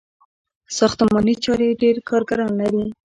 ساختماني چارې ډیر کارګران لري.